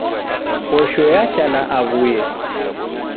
Posho yacha na aw'uye.